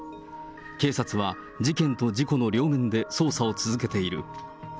警察は、事件と事故の両面で捜査を続けている。